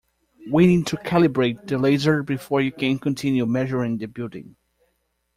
We need to calibrate the laser before you can continue measuring the building.